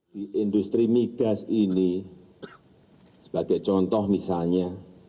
di industri migas ini sebagai contoh misalnya